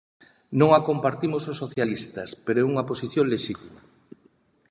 Non a compartimos os socialistas, pero é unha posición lexítima.